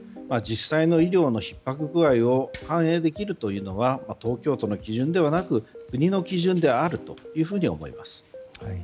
実際の医療のひっ迫具合を反映できるというのは東京都の基準ではなく国の基準であると思います。